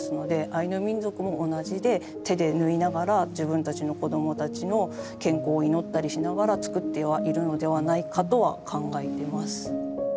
アイヌ民族も同じで手で縫いながら自分たちの子供たちの健康を祈ったりしながら作ってはいるのではないかとは考えてます。